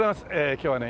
今日はね